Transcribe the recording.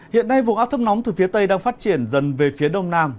hiện nay vùng áp thấp nóng từ phía tây đang phát triển dần về phía đông nam